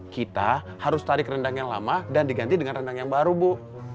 kita harus tarik rendang yang lama dan diganti dengan rendang yang baru bu